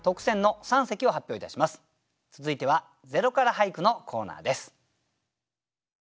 続いては「０から俳句」のコーナーです。